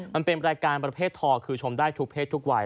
มันเป็นรายการประเภททอคือชมได้ทุกเพศทุกวัย